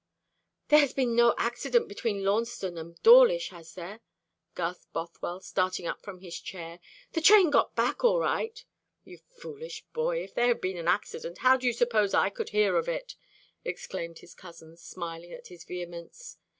"There has been no accident between Launceston and Dawlish, has there?" gasped Bothwell, starting up from his chair; "the train got back all right " "You foolish boy! If there had been an accident, how do you suppose I could hear of it?" exclaimed his cousin, smiling at his vehemence.